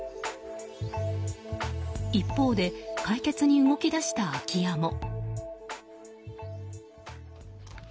一方で解決に動き出した空き家も。